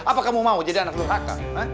apa kamu mau jadi anak letakkan